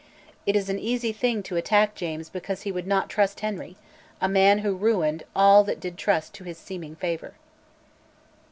It is an easy thing to attack James because he would not trust Henry, a man who ruined all that did trust to his seeming favour.